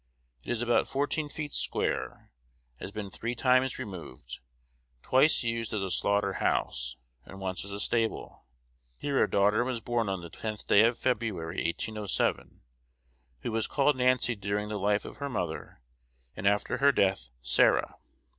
It is about fourteen feet square, has been three times removed, twice used as a slaughter house, and once as a stable. Here a daughter was born on the tenth day of February, 1807, who was called Nancy during the life of her mother, and after her death Sarah.